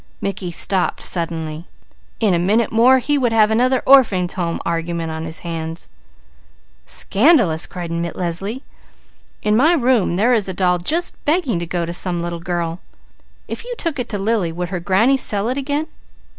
Mickey stopped suddenly. In a minute more he would have another Orphans' Home argument on his hands. "Scandalous!" cried Leslie. "In my room there is a doll just begging to go to some little girl. If you took it to Lily, would her granny sell it again?"